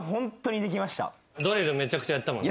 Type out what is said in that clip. ドリルめちゃくちゃやったもんね。